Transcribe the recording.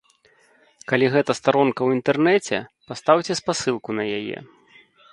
Калі гэта старонка ў інтэрнэце, пастаўце спасылку на яе.